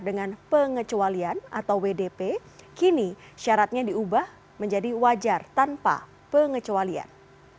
dengan pengecualian atau wdp kini syaratnya diubah menjadi wajar tanpa pengecualian